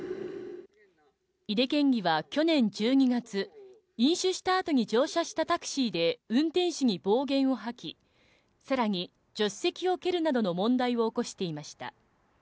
井手県議は去年１２月、飲酒したあとに乗車したタクシーで運転手に暴言を吐き、さらに、助手席を蹴るなどの問題を起こしていました。